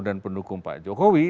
dan pendukung pak jokowi